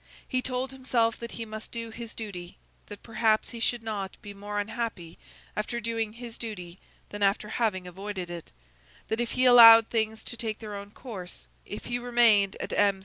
He told himself that he must do his duty; that perhaps he should not be more unhappy after doing his duty than after having avoided it; that if he allowed things to take their own course, if he remained at M.